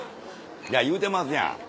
言うてますやん。